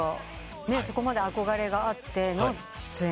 そこまで憧れがあっての出演。